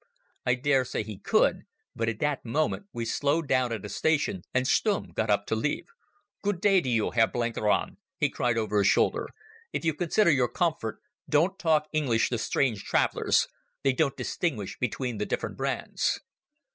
I dare say he could, but at that moment, we slowed down at a station and Stumm got up to leave. "Good day to you, Herr Blenkiron," he cried over his shoulder. "If you consider your comfort, don't talk English to strange travellers. They don't distinguish between the different brands."